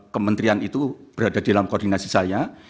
kementerian itu berada dalam koordinasi saya